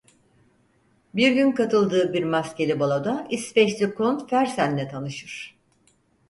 Bir gün katıldığı bir maskeli baloda İsveçli Kont Fersen'le tanışır.